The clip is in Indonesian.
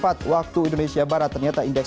apa masalahnya ingin